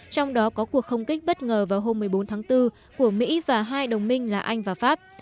trong đó có cuộc không kích bất ngờ vào hôm một mươi bốn tháng bốn của mỹ và hai đồng minh là anh và pháp